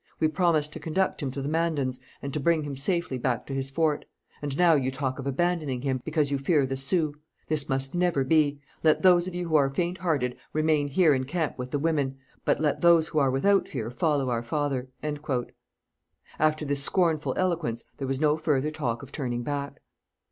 We promised to conduct him to the Mandans, and to bring him safely back to his fort. And now you talk of abandoning him, because you fear the Sioux. This must never be. Let those of you who are faint hearted remain here in camp with the women; but let those who are without fear follow our father.' After this scornful eloquence there was no further talk of turning back.